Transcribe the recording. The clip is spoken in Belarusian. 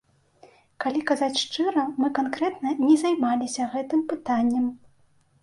Калі казаць шчыра, мы канкрэтна і не займаліся гэтым пытаннем.